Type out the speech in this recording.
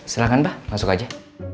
silahkan pak masuk aja